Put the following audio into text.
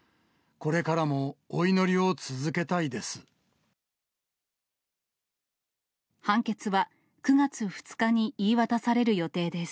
これからもお祈りを続けたいです。